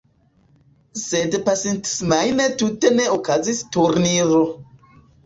Sed pasintsemajne tute ne okazis turniro.